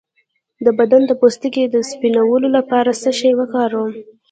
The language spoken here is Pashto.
د بدن د پوستکي د سپینولو لپاره څه شی وکاروم؟